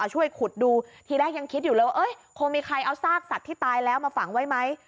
ช่วยขุดดูทีแรกยังคิดอยู่เลยว่าคงมีใครเอาซากสัตว์ที่ตายแล้วมาฝังไว้ไหม